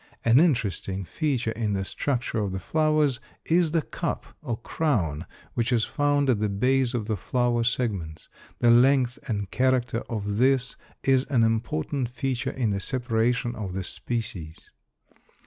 An interesting feature in the structure of the flowers is the cup or crown which is found at the base of the flower segments. The length and character of this is an important feature in the separation of the species.